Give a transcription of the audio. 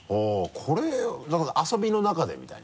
これだから遊びの中でみたいな？